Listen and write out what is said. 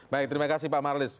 baik terima kasih pak marlis